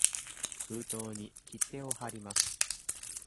封筒に切手をはります。